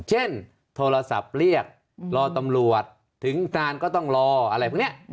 เช่นโทรศัพท์เรียกรอตำรวจถึงการก็ต้องรออะไรพวกนี้